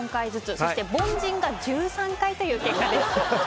そして凡人が１３回という結果です。